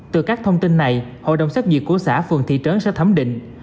từ các thông tin này hội đồng xét nghiệp của xã phường thị trấn sẽ thấm định